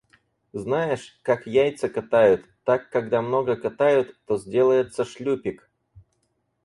Знаешь, как яйца катают, так когда много катают, то сделается шлюпик.